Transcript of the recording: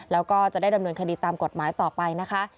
แล้วก็จะได้ดำเนินคดีตามกฎหมายต่อไปนะคะ